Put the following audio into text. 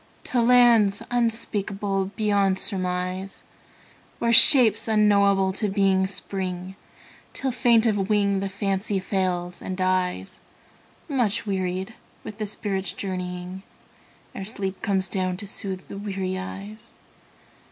To lands unspeakable beyond surmise, Where shapes unknowable to being spring, Till, faint of wing, the Fancy fails and dies Much wearied with the spirit's journeying, Ere sleep comes down to soothe the weary eyes.